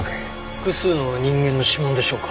複数の人間の指紋でしょうか？